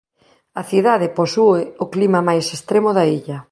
A cidade posúe o clima máis extremo da illa.